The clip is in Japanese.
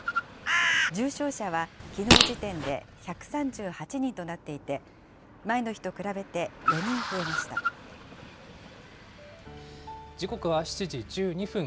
重症者はきのう時点で１３８人となっていて、前の日と比べて、４時刻は７時１２分。